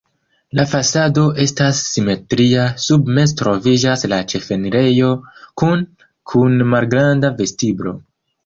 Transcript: La fasado estas simetria, sube meze troviĝas la ĉefenirejo kune kun malgranda vestiblo.